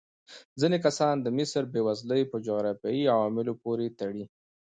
ځینې کسان د مصر بېوزلي په جغرافیايي عواملو پورې تړي.